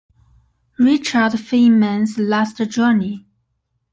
Richard Feynman's Last Journey.